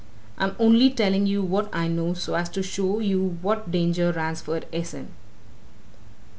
I'm only telling you what I know so as to show you what danger Ransford is in."